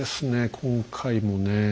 今回もね。